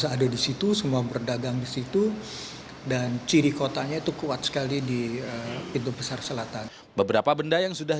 ada yang disitu dan ciri kotanya itu kuat sekali di pintu besar selatan beberapa benda yang sudah